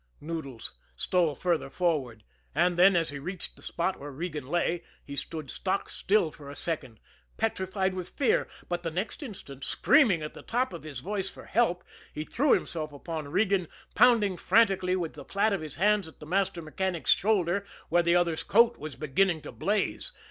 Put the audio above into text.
Noodles stole further forward and then, as he reached the spot where Regan lay, he stood stock still for a second, petrified with fear but the next instant, screaming at the top of his voice for help, he threw himself upon Regan, pounding frantically with the flat of his hands at the master mechanic's shoulder, where the other's coat was beginning to blaze.